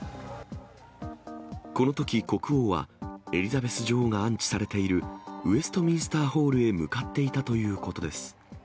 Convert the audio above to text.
このとき国王は、エリザベス女王が安置されているウェストミンスターホールへ向かっていたということです。